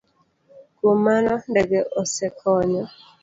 Kuom mano, ndege osekonyo